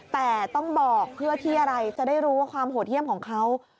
แต่ต้องบอกเพื่อที่อะไรจะได้รู้ว่าความโหดเยี่ยมของเขา